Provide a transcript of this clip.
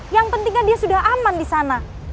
yang pentingnya dia sudah aman di sana